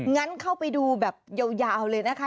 งั้นเข้าไปดูแบบยาวเลยนะคะ